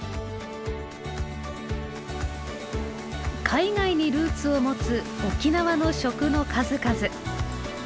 海外にルーツを持つ沖縄の食の数々。